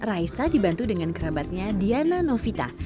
soal desain pakaian raisa dibantu dengan kerabatnya diana novita